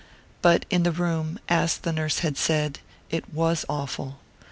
But in the room, as the nurse had said, it was awful.